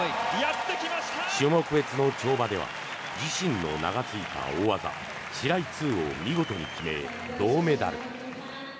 種目別の跳馬では自身の名がついた大技シライ２を見事に決め銅メダル。